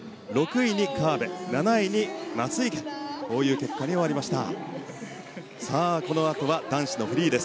６位に河辺、７位に松生という結果に終わりました。